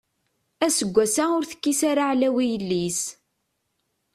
Aseggas-a ur tekkis ara aɛlaw i yelli-s.